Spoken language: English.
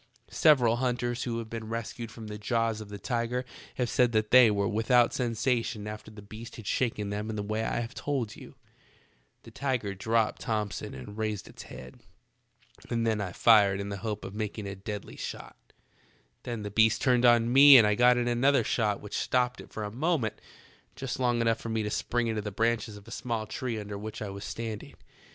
Seyeral hunters who haye been rescued from the jaws of the tiger haye said that they were with out sensation after the beast had shaken them in the way I haye told you. "The tiger dropped Thomson and raised its head, and then I fired in the hope of making a "the tiger raised its head.'' deadly shot. Then the beast turned on me and I got in another shot which stopped it for a A FKiH'r WitH A Ti6ER. 1^9 moment, just long enough for me to spring into the branehes of a small tree under which I was standing.